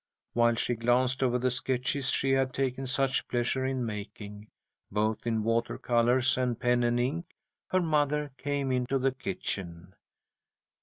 While she glanced over the sketches she had taken such pleasure in making, both in water colours and pen and ink, her mother came into the kitchen.